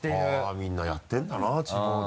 みんなやってるんだな地方で。